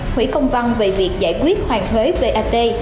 hủy công văn về việc giải quyết hoàn thuế vat